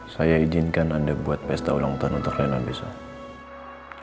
saya izinkan anda buat pesta ulang tahun untuk layanan desa